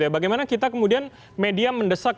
bagaimana kita kemudian media mendesak